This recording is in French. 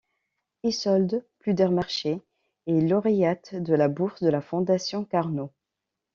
Isolde Pludermacher est lauréate de la bourse de la Fondation Carnot.